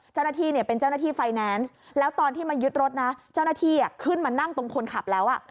เจ้าหน้าที่เนี่ยเป็นเจ้าหน้าที่ไฟแนนซ์แล้วตอนที่มายึดรถนะเจ้าหน้าที่ขึ้นมานั่งตรงคนขับแล้ว